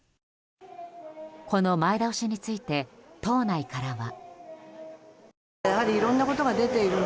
この前倒しについて党内からは。